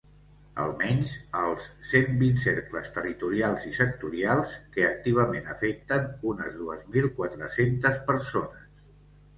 Almenys, als cent vint cercles territorials i sectorials, que activament afecten unes dues mil quatre-centes persones.